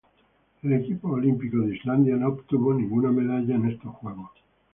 El equipo olímpico de Islandia no obtuvo ninguna medalla en estos Juegos.